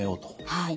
はい。